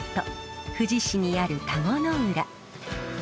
富士市にある田子の浦。